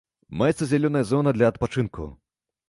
Маецца зялёная зона для адпачынку.